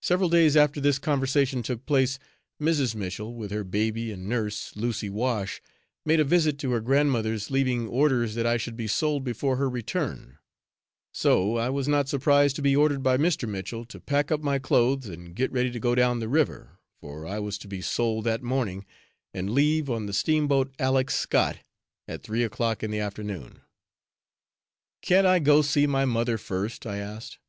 Several days after this conversation took place, Mrs. Mitchell, with her baby and nurse, Lucy Wash, made a visit to her grandmother's, leaving orders that I should be sold before her return; so I was not surprised to be ordered by Mr. Mitchell to pack up my clothes and get ready to go down the river, for I was to be sold that morning, and leave, on the steamboat Alex. Scott, at 3 o'clock in the afternoon. "Can't I go see my mother, first?" I asked.